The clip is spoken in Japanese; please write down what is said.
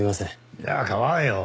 いや構わんよ。